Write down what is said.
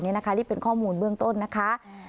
นี่เป็นข้อมูลเบื้องต้นนะคะ